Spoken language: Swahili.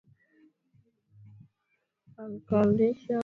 ajali ya meli ya titanic ilijadiliwa sana kwenye karne ya ishirini